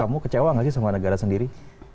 kamu kecewa gak sih sama negara sendiri